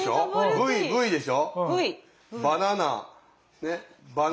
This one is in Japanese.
ＶＶでしょ？